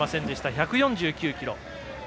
１４９キロ。